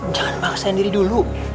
jangan paksain diri dulu